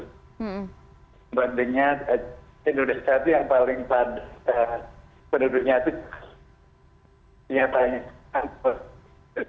sebandingnya indonesia yang paling padat penduduknya itu punya paling kecil